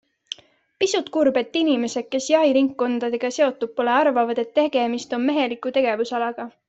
Pisut kurb, et inimesed, kes jahiringkondadega seotud pole, arvavad, et tegemist on meheliku tegevusalaga.